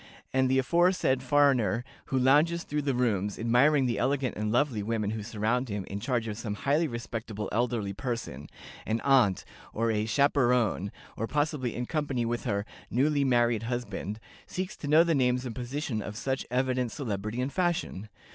And the aforesaid foreigner, who lounges through the rooms, admiring the elegant and lovely women who surround him in charge of some highly respectable elderly person, an 'aunt,' or a 'chaperone,' or possibly in company with her 'newly married husband,' seeks to know the names and position of such evident celebrity and fashion.